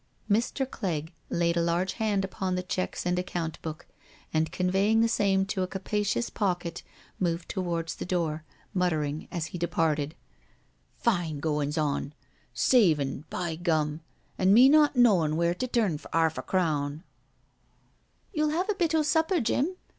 Mr. Clegg laid a large hand upon the checks and account book, and conveying the same to a capacious pocket moved towards the door, muttering as he de parted : "Fine goin's on I Savin', by gum I An' me not kiiowm' where to t|»ro for '^rf » cyowa," ao ^\ NO SURRENDER "You'll 'ave a bit o' supper, Jim?"